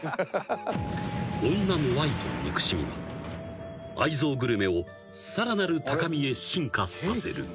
［女の愛と憎しみは愛憎グルメをさらなる高みへ進化させる］